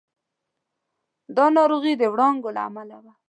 دا ناروغي د وړانګو له امله وه.